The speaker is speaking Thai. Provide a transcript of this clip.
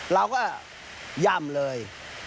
เราก็ย่ำเลย